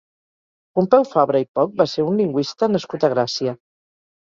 Pompeu Fabra i Poch va ser un lingüista nascut a Gràcia.